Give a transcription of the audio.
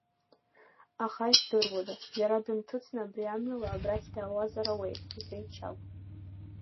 Аха, издыруада, иара дынҭыҵны абри амҩала абрахь даауазар ауеит, — иҳәеит Чагә.